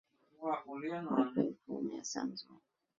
毋丘俭事后被诛灭三族。